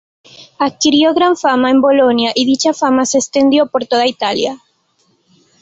Adquirió gran fama en Bolonia, y dicha fama se extendió por toda Italia.